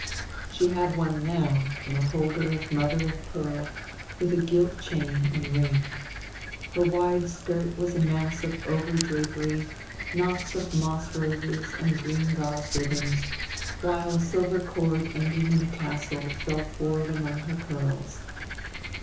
She had one now, in a holder of mother of pearl, with a gilt chain and ring. Her wide skirt was a mass of over drapery, knots of moss roses and green gauze ribbons; while a silver cord ending in a tassel fell forward among her curls.